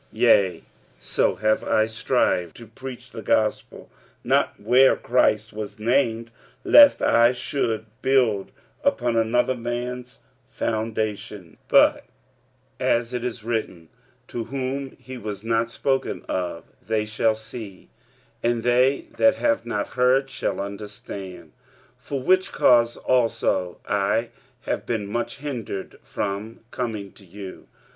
45:015:020 Yea, so have I strived to preach the gospel, not where Christ was named, lest I should build upon another man's foundation: 45:015:021 But as it is written, To whom he was not spoken of, they shall see: and they that have not heard shall understand. 45:015:022 For which cause also I have been much hindered from coming to you.